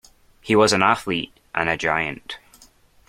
He was an athlete and a giant.